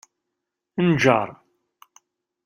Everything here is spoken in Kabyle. Nǧeṛ.